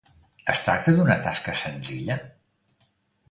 Es tracta d'una tasca senzilla?